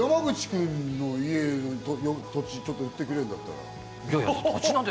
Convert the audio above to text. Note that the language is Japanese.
山口君の家の土地ちょっと売ってくれるんだったら。